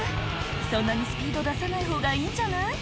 そんなにスピード出さない方がいいんじゃない？